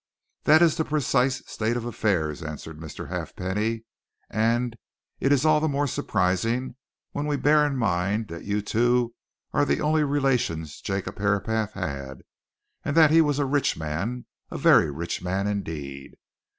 "That is the precise state of affairs," answered Mr. Halfpenny. "And it is all the more surprising when we bear in mind that you two are the only relations Jacob Herapath had, and that he was a rich man a very rich man indeed.